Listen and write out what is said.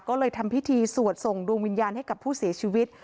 ก็เลยทำพิธีสวดส่งดวงวิญญาณให้กับผู้เสียชีวิต